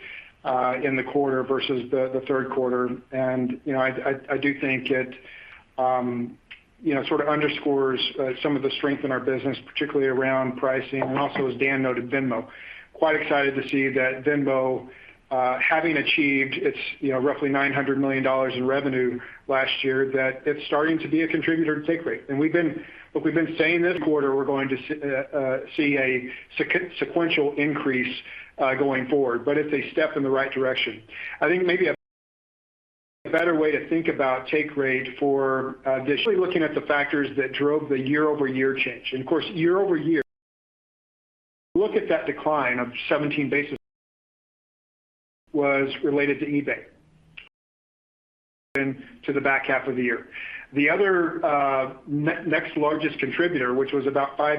in the quarter versus the Q3. I do think it sort of underscores some of the strength in our business, particularly around pricing and also, as Dan noted, Venmo. We're quite excited to see that Venmo having achieved its roughly $900 million in revenue last year, that it's starting to be a contributor to take rate. We've been saying this quarter, we're going to see a sequential increase going forward. It's a step in the right direction. I think maybe a better way to think about take rate or additionally looking at the factors that drove the year-over-year change. Of course, year over year, look at that decline of 17 basis points related to eBay in the back half of the year. The other, next largest contributor, which was about 5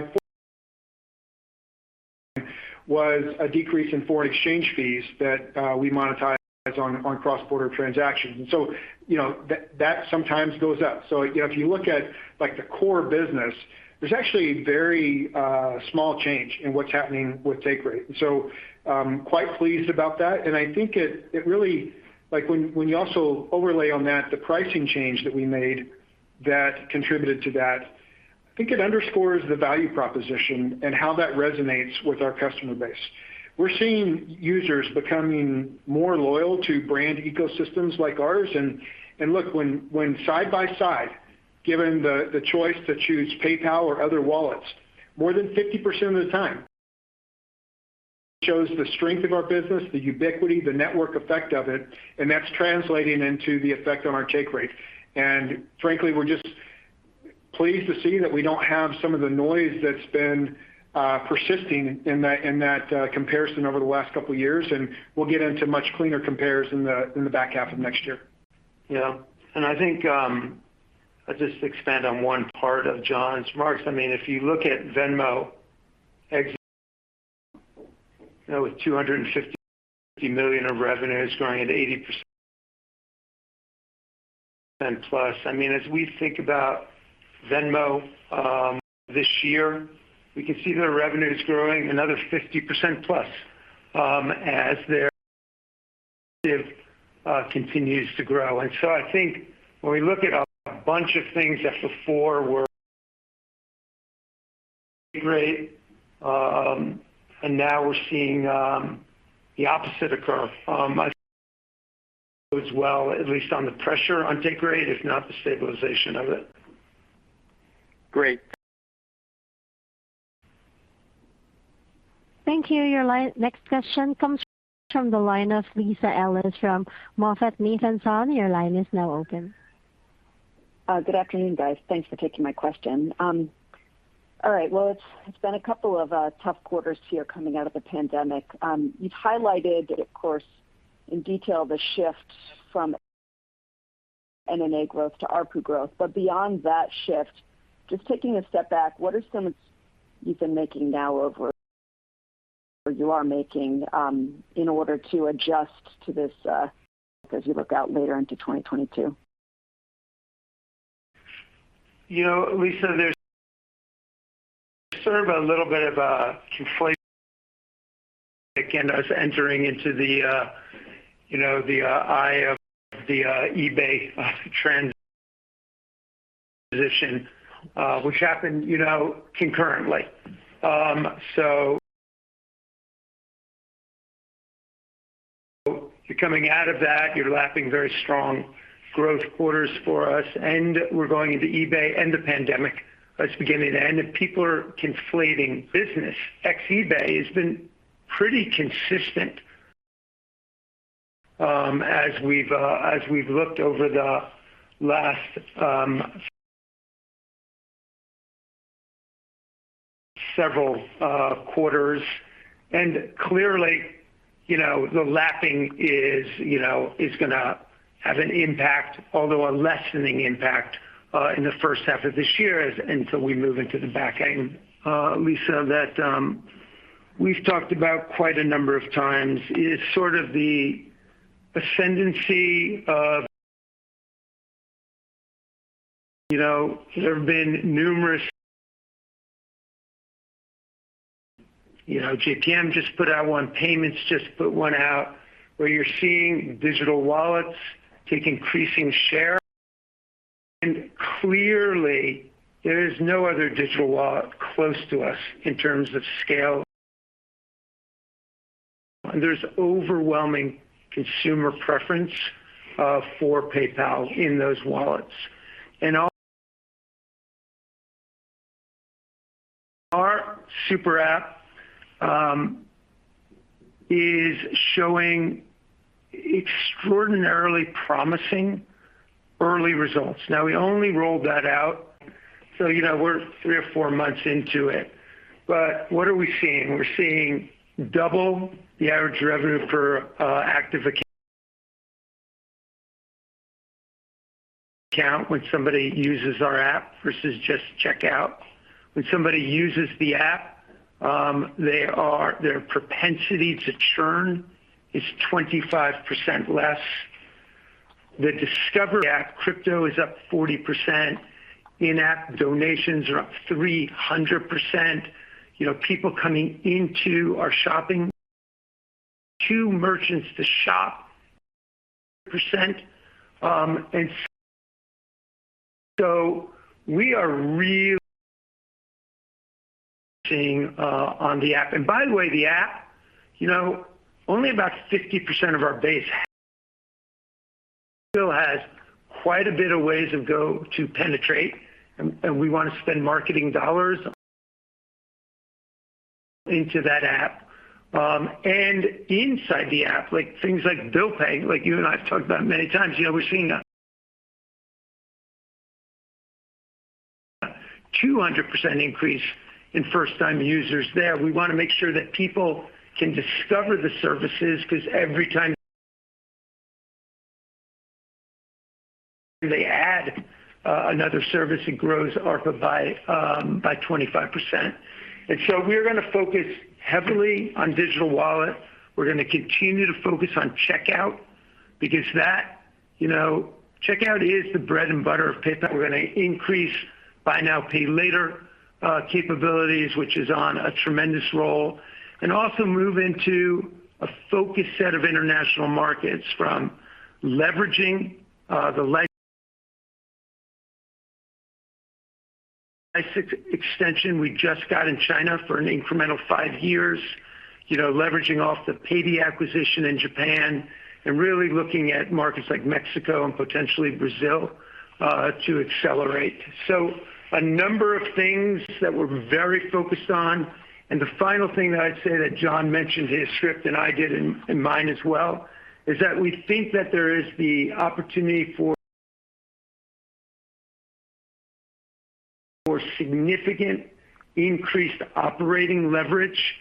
points, was a decrease in foreign exchange fees that we monetize on cross-border transactions. You know, that sometimes goes up. You know, if you look at like the core business, there's actually a very small change in what's happening with take rate. I'm quite pleased about that. I think it really like when you also overlay on that the pricing change that we made that contributed to that, I think it underscores the value proposition and how that resonates with our customer base. We're seeing users becoming more loyal to brand ecosystems like ours. Look, when side by side, given the choice to choose PayPal or other wallets, more than 50% of the time shows the strength of our business, the ubiquity, the network effect of it, and that's translating into the effect on our take rate. Frankly, we're just pleased to see that we don't have some of the noise that's been persisting in that comparison over the last couple of years, and we'll get into much cleaner compares in the back half of next year. Yeah. I think I'll just expand on one part of John's remarks. I mean, if you look at Venmo with $250 million of revenues growing at 80%+. I mean, as we think about Venmo this year, we can see their revenue is growing another 50%+ as they continue to grow. I think when we look at a bunch of things that before were great and now we're seeing the opposite occur as well, at least on the pressure on take rate, if not the stabilization of it. Great. Thank you. Next question comes from the line of Lisa Ellis from MoffettNathanson. Your line is now open. Good afternoon, guys. Thanks for taking my question. All right, well, it's been a couple of tough quarters here coming out of the pandemic. You've highlighted that, of course, in detail the shift from NNA growth to ARPU growth. Beyond that shift, just taking a step back, what are some changes you've been making now or you are making in order to adjust to this as you look out later into 2022? You know, Lisa, there's sort of a little bit of a conflation of us entering into the end of the eBay trend position, which happened concurrently. So you're coming out of that. You're lapping very strong growth quarters for us, and we're going into the end of eBay and the pandemic that's beginning to end. People are conflating. Business ex-eBay has been pretty consistent, as we've looked over the last several quarters. Clearly, the lapping is gonna have an impact, although a lessening impact, in the first half of this year until we move into the back end. Lisa, that we've talked about quite a number of times is sort of the ascendancy of. You know, there have been numerous. You know, JPM just put out one. Payments just put one out where you're seeing digital wallets take increasing share. Clearly there is no other digital wallet close to us in terms of scale. There's overwhelming consumer preference for PayPal in those wallets. Our super app is showing extraordinarily promising early results. Now we only rolled that out, so you know, we're 3 or 4 months into it, but what are we seeing? We're seeing double the average revenue per active account when somebody uses our app versus just checkout. When somebody uses the app, their propensity to churn is 25% less. The Discover app crypto is up 40%. In-app donations are up 300%. You know, people coming into our shopping to merchants to shop percent. We are really seeing on the app. By the way, the app, you know, only about 50% of our base still has quite a bit of ways to go to penetrate, and we want to spend marketing dollars into that app. Inside the app, like things like bill pay, like you and I have talked about many times. You know, we're seeing a 200% increase in first time users there. We want to make sure that people can discover the services because every time they add another service it grows ARPA by 25%. We're gonna focus heavily on digital wallet. We're gonna continue to focus on checkout because that, you know, checkout is the bread and butter of PayPal. We're gonna increase buy now, pay later capabilities, which is on a tremendous roll, and also move into a focused set of international markets from leveraging the license extension we just got in China for an incremental five years. You know, leveraging off the Paidy acquisition in Japan and really looking at markets like Mexico and potentially Brazil to accelerate. A number of things that we're very focused on. The final thing that I'd say that John mentioned in his script and I did in mine as well is that we think that there is the opportunity for significant increased operating leverage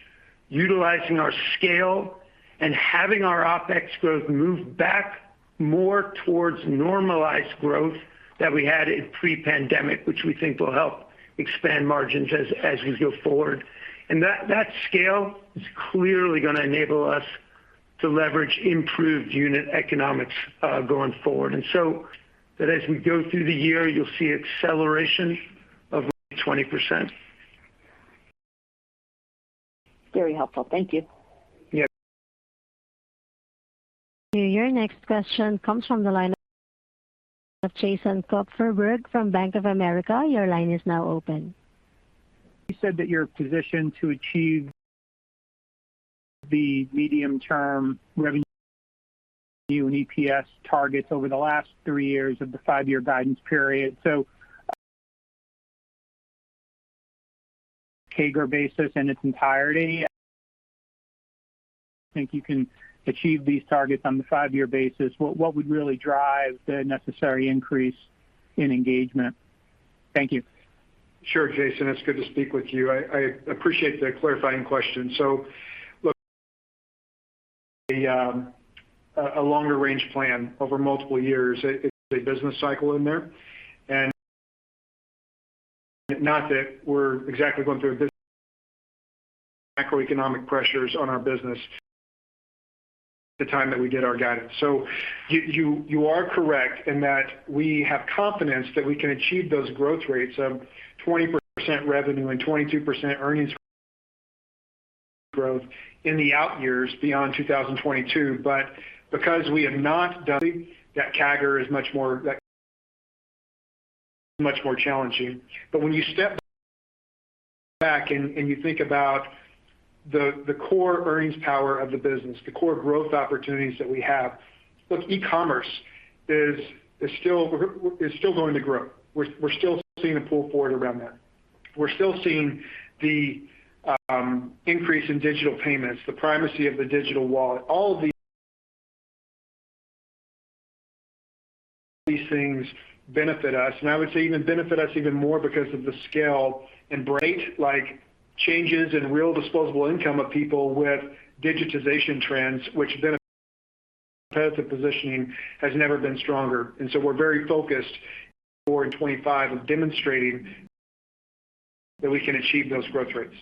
utilizing our scale and having our OpEx growth move back more towards normalized growth that we had in pre-pandemic, which we think will help expand margins as we go forward. That scale is clearly gonna enable us to leverage improved unit economics going forward. As we go through the year you'll see acceleration of 20%. Very helpful. Thank you. Yeah. Your next question comes from the line of Jason Kupferberg from Bank of America. Your line is now open. You said that you're positioned to achieve the medium-term revenue and EPS targets over the last three years of the five-year guidance period. CAGR basis in its entirety, I think you can achieve these targets on the five-year basis. What would really drive the necessary increase in engagement? Thank you. Sure, Jason. It's good to speak with you. I appreciate the clarifying question. Look, a longer range plan over multiple years. It's a business cycle in there and not that we're exactly going through a business. Macroeconomic pressures on our business at the time that we did our guidance. You are correct in that we have confidence that we can achieve those growth rates of 20% revenue and 22% earnings growth in the out years beyond 2022. Because we have not done that, CAGR is much more that much more challenging. When you step back and you think about the core earnings power of the business, the core growth opportunities that we have. Look, e-commerce is still going to grow. We're still seeing the pull forward around that. We're still seeing the increase in digital payments, the primacy of the digital wallet. All of these things benefit us, and I would say even benefit us even more because of the scale and rate like changes in real disposable income of people with digitization trends which benefit competitive positioning has never been stronger. We're very focused in 2024 and 2025 on demonstrating that we can achieve those growth rates.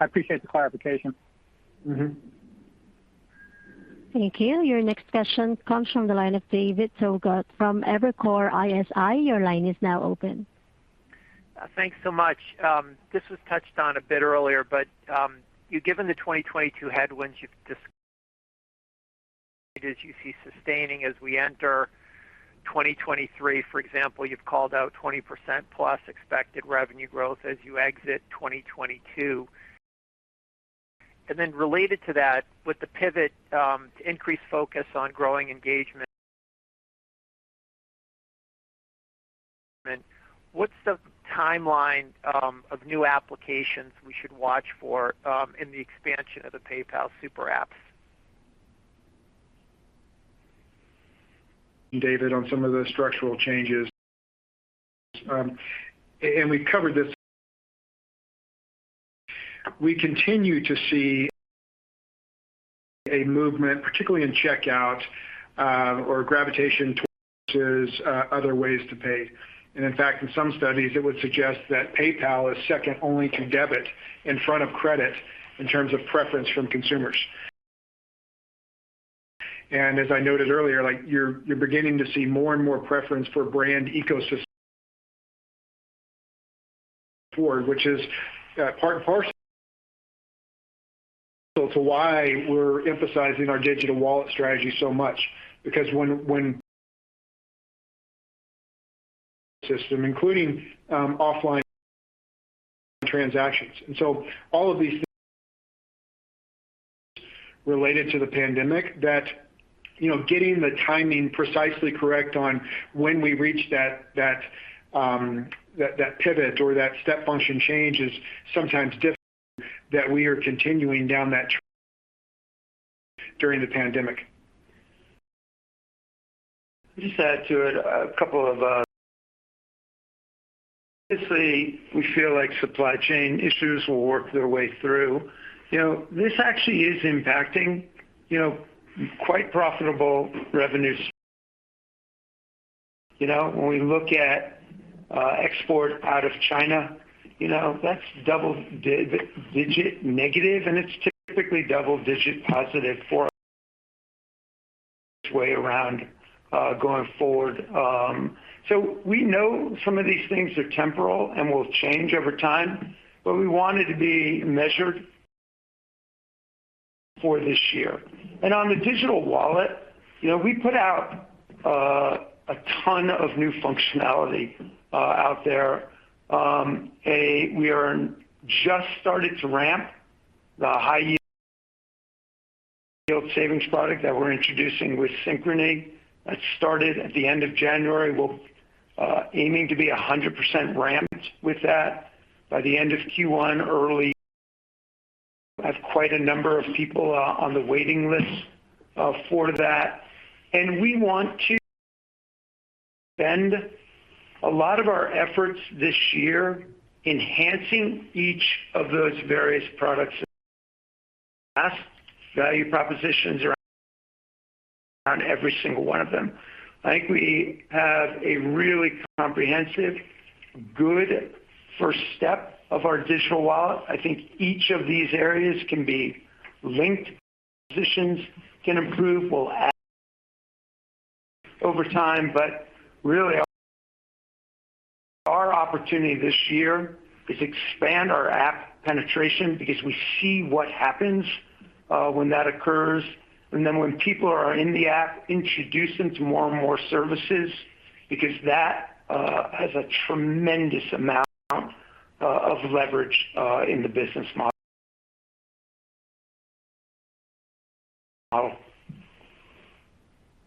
I appreciate the clarification. Mm-hmm. Thank you. Your next question comes from the line of David Togut from Evercore ISI. Your line is now open. Thanks so much. This was touched on a bit earlier, but you've given the 2022 headwinds you've described as you see sustaining as we enter 2023. For example, you've called out 20%+ expected revenue growth as you exit 2022. Related to that, with the pivot to increase focus on growing engagement, what's the timeline of new applications we should watch for in the expansion of the PayPal Super Apps. David, on some of the structural changes. We covered this. We continue to see a movement, particularly in checkout, or gravitation towards, other ways to pay. In fact, in some studies, it would suggest that PayPal is second only to debit in front of credit in terms of preference from consumers. As I noted earlier, like you're beginning to see more and more preference for brand ecosystem forward, which is, part and parcel to why we're emphasizing our digital wallet strategy so much. Because when systems including offline transactions. All of these things related to the pandemic that, you know, getting the timing precisely correct on when we reach that pivot or that step function change is sometimes difficult but we are continuing down that during the pandemic. Just add to it a couple of. Obviously, we feel like supply chain issues will work their way through. You know, this actually is impacting, you know, quite profitable revenue. You know, when we look at export out of China, you know, that's double-digit negative, and it's typically double-digit positive for us the other way around going forward. So we know some of these things are temporal and will change over time, but we wanted to be measured for this year. On the digital wallet, you know, we put out a ton of new functionality out there. We are just starting to ramp the high yield savings product that we're introducing with Synchrony that started at the end of January. We're aiming to be 100% ramped with that by the end of Q1 early. I have quite a number of people on the waiting list for that. We want to spend a lot of our efforts this year enhancing each of those various products' value propositions around every single one of them. I think we have a really comprehensive, good first step of our digital wallet. I think each of these areas can be linked, positions can improve. We'll add over time, but really our opportunity this year is expand our app penetration because we see what happens when that occurs. When people are in the app, introduce them to more and more services because that has a tremendous amount of leverage in the business model.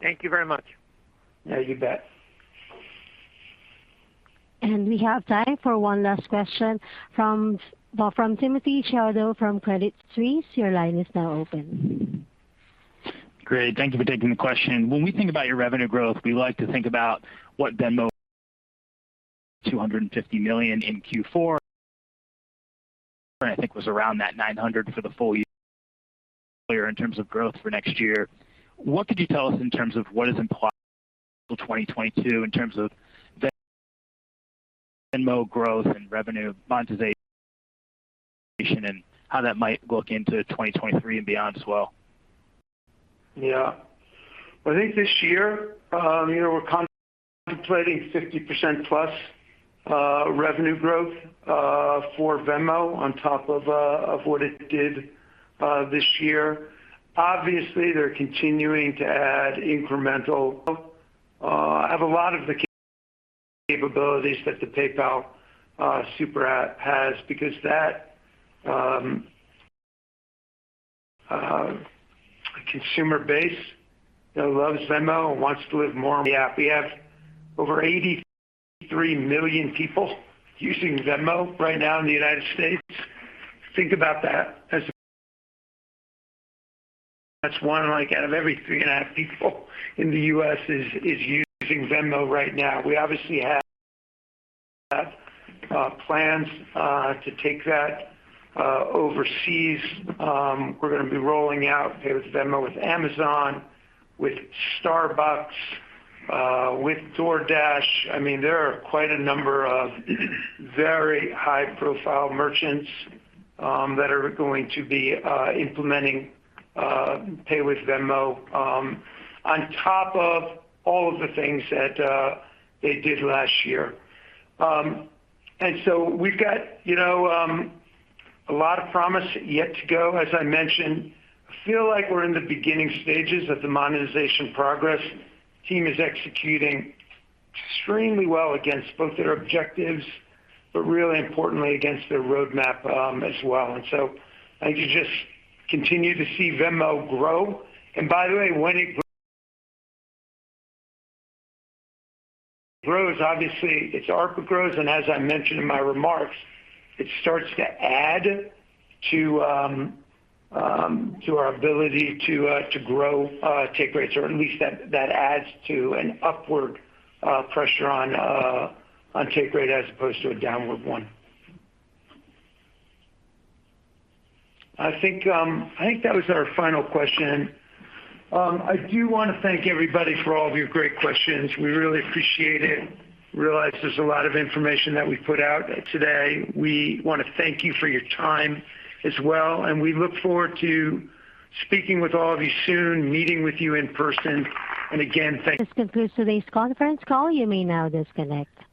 Thank you very much. Yeah, you bet. We have time for one last question from Timothy Chiodo from Credit Suisse. Your line is now open. Great. Thank you for taking the question. When we think about your revenue growth, we like to think about what Venmo $250 million in Q4, I think was around that $900 million for the full year. In terms of growth for next year, what could you tell us in terms of what is implied for 2022 in terms of Venmo growth and revenue monetization and how that might look into 2023 and beyond as well? Yeah. I think this year, you know, we're contemplating 50%+ revenue growth for Venmo on top of what it did this year. Obviously, they're continuing to add incremental have a lot of the capabilities that the PayPal super app has because that consumer base that loves Venmo wants to live more on the app. We have over 83 million people using Venmo right now in the United States. Think about that as that's one like out of every three and a half people in the U.S. is using Venmo right now. We obviously have plans to take that overseas. We're gonna be rolling out Pay with Venmo with Amazon, with Starbucks, with DoorDash. I mean, there are quite a number of very high-profile merchants that are going to be implementing Pay with Venmo on top of all of the things that they did last year. We've got, you know, a lot of promise yet to go. As I mentioned, I feel like we're in the beginning stages of the monetization progress. Team is executing extremely well against both their objectives, but really importantly against their roadmap, as well. I think you just continue to see Venmo grow. By the way, when it grows, obviously its ARPA grows, and as I mentioned in my remarks, it starts to add to our ability to grow take rates, or at least that adds to an upward pressure on take rate as opposed to a downward one. I think that was our final question. I do wanna thank everybody for all of your great questions. We really appreciate it. We realize there's a lot of information that we put out today. We wanna thank you for your time as well, and we look forward to speaking with all of you soon, meeting with you in person. Again, thank- This concludes today's conference call. You may now disconnect.